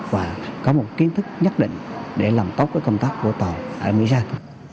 và có một kiến thức nhất định để làm tốt với công tác bổ tòm ở mỹ sơn